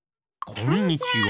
こんにちは！